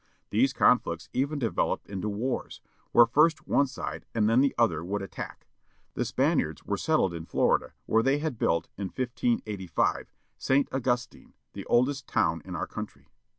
These "conflicts even developed into wars, where first one side, and then the other, would attack. The Spaniards were settled in Florida where they had built, in 1585, Saint Augustine, the oldest town in our covintry.